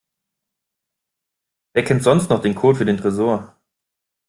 Wer kennt sonst noch den Code für den Tresor?